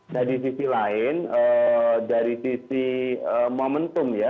nah di sisi lain dari sisi momentum ya